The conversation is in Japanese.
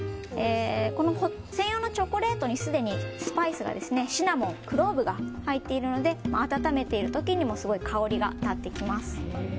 この専用のチョコレートにすでにシナモン、クローブが入っているので温めている時にも香りが立ってきます。